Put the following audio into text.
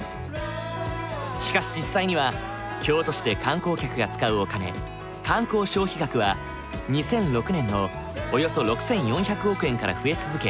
しかし実際には京都市で観光客が使うお金観光消費額は２００６年のおよそ６，４００億円から増え続け